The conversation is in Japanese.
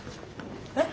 えっ？